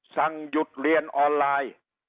สั่งหยุดเรียนออนไลน์